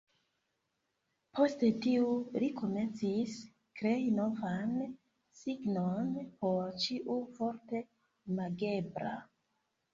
Post tio, li komencis krei novan signon por ĉiu vorto imagebla.